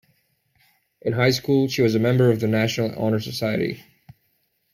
In high school, she was a member of the National Honor Society.